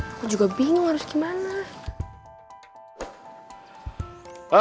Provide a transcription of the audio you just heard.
aku juga bingung harus gimana